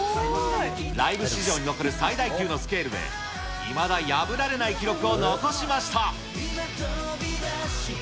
ライブ史上に残る最大級のスケールで、いまだ破られない記録を残しました。